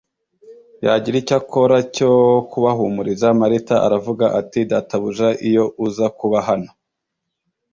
yagira icyo akora cyo kubahumuriza, Marita aravuga ati : "Databuja, iyo uza kuba hano,